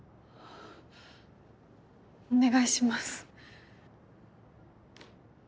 お願いします。